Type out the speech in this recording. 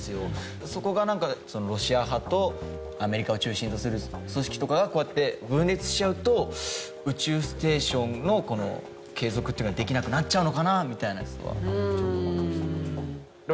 そこがなんかロシア派とアメリカを中心とする組織とかがこうやって分裂しちゃうと宇宙ステーションのこの継続っていうのができなくなっちゃうのかなみたいな。